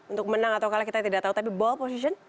untuk menang atau kalah kita tidak tahu tapi ball position